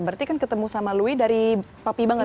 berarti kan ketemu sama louis dari papi banget ya